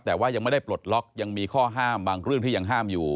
แต่ว่ายังไม่ได้ปลดล็อกยังมีข้อห้ามบางเรื่องที่ยังห้ามอยู่